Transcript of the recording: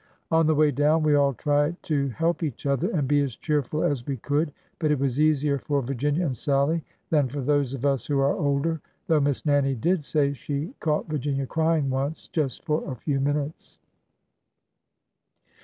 '' On the way down we all tried to help each other, and be as cheerful as we could. But it was easier for Virginia and Sallie than for those of us who are older,— though Miss Nannie did say she caught Virginia crying once — just for a few minutes.